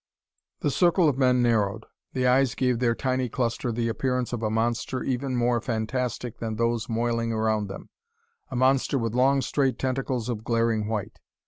The circle of men narrowed. The rays gave their tiny cluster the appearance of a monster even more fantastic than those moiling around them a monster with long straight tentacles of glaring white.